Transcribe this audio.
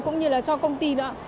cũng như là cho công ty nữa